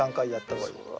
うわ。